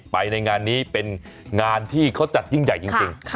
ไปในงานนี้เป็นงานที่เขาจัดยิ่งใหญ่จริง